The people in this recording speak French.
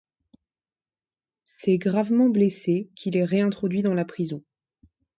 C'est gravement blessé qu'il est réintroduit dans la prison.